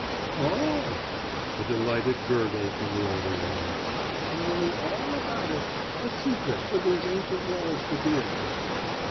"Oh!" A delighted gurgle from the older woman. "Tell me all about it a secret for these ancient walls to hear."